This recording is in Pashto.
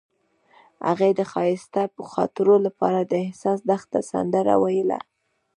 هغې د ښایسته خاطرو لپاره د حساس دښته سندره ویله.